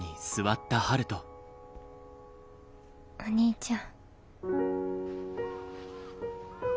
お兄ちゃん。